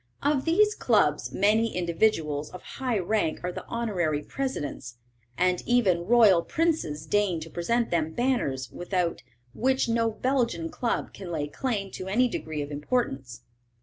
Of these clubs many individuals of high rank are the honorary presidents, and even royal princes deign to present them banners, without which no Belgian club can lay claim to any degree of importance."